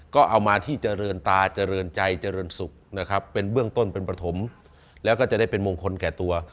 ก็เอามาที่เจริญตาเจริญใจเจริญสุขนะครับเป็นเบื้องต้นเป็นประถมแล้วก็จะได้เป็นมงคลแก่ตัว